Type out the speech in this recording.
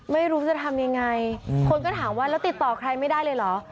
ไม่รู้จะทำยังไงคนก็ถามว่าแล้วติดต่อใครไม่ได้เลยเหรอ